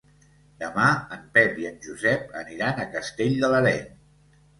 Demà en Pep i en Josep aniran a Castell de l'Areny.